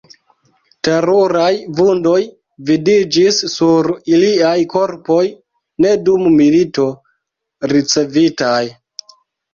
Teruraj vundoj vidiĝis sur iliaj korpoj, ne dum milito ricevitaj.